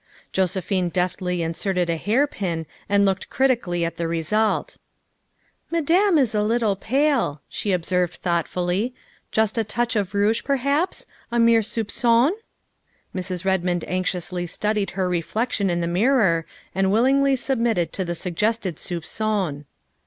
Josephine deftly inserted a hairpin and looked criti cally at the result. '' Madame is a little pale, '' she observed thoughtfully, " just a touch of rouge perhaps a mere soupQon?" Mrs. Redmond anxiously studied her reflection in the mirror and willingly submitted to the suggested soupcon.